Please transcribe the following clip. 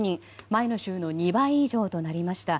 前の週の２倍以上となりました。